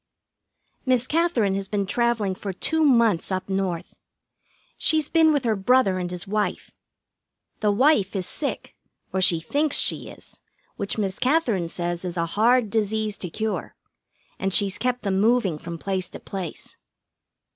Miss Katherine has been travelling for two months up North. She's been with her brother and his wife. The wife is sick, or she thinks she is, which Miss Katherine says is a hard disease to cure, and she's kept them moving from place to place.